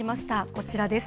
こちらです。